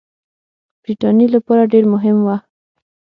برټانیې لپاره ډېر مهم وه.